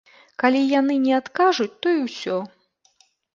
Калі яны не адкажуць, то і ўсё.